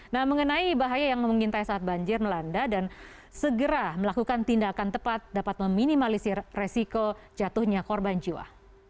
nah mengenai bahaya yang memungkintai saat banjir melanda dan segera melakukan tindakan tepat dapat meminimalisir resiko jatuhnya korban jiwa